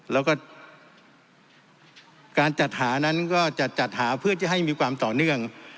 แล้วก็การจัดหานั้นก็จะจัดหาเพื่อจะให้มีความต่อเนื่อง